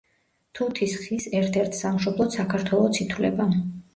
თუთის ხის ერთ-ერთ სამშობლოდ საქართველოც ითვლება.